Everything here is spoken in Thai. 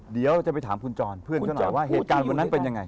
เดี๋ยวจะไปถามคุณจรเพื่อนเขาหน่อยว่าเหตุการณ์วันนั้นเป็นยังไง